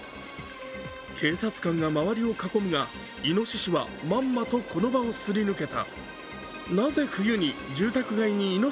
警察官が周りを囲むがいのししは、まんまとこの場をすり抜けた。